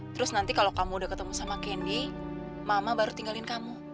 terus nanti kalau kamu udah ketemu sama kendi mama baru tinggalin kamu